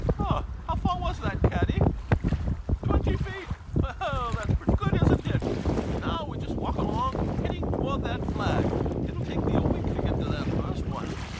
"] Ah — how far was that, caddy ? [Proudly.] Twenty feet ! Well, that 's pretty good, isn't it? Now, we just walk along, hitting toward that flag. It '11 take me a week to get to the first one.